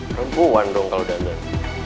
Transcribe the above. perempuan dong kalau dandan